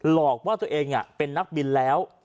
หลอกว่าตัวเองเป็นนักบินแล้ว